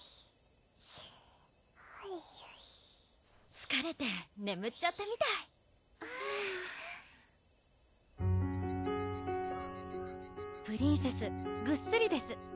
つかれてねむっちゃったみたいプリンセスぐっすりです